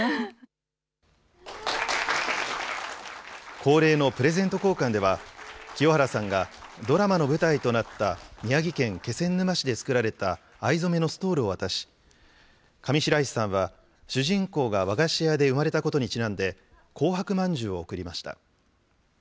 恒例のプレゼント交換では、清原さんが、ドラマの舞台となった、宮城県気仙沼市で作られた藍染めのストールを渡し、上白石さんは、主人公が和菓子屋で生まれたことにちなんで、紅白まんじゅうを贈りました。